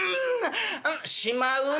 「しまうな！